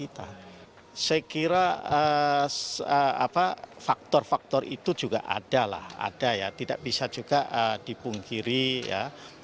saya kira faktor faktor itu juga ada lah ada ya tidak bisa juga dipungkiri ya